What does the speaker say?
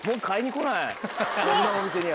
こんなお店には。